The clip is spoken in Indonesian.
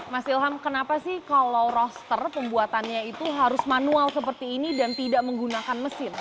mas ilham kenapa sih kalau roster pembuatannya itu harus manual seperti ini dan tidak menggunakan mesin